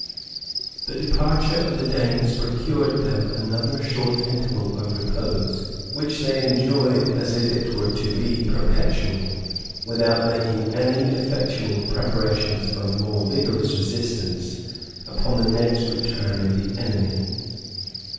] The departure of the Danes procured them another short interval of repose, which they enjoyed as if it were to be perpetual without making any effectual preparations for a more vigorous resistance upon the next return of the enemy.